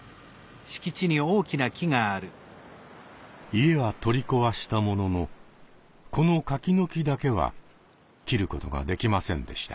家は取り壊したもののこの柿の木だけは切ることができませんでした。